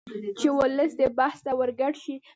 چې ولس دې بحث ته ورګډ شي